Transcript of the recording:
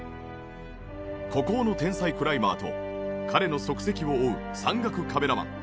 孤高の天才クライマーと彼の足跡を追う山岳カメラマン。